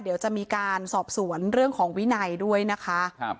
เดี๋ยวจะมีการสอบสวนเรื่องของวินัยด้วยนะคะ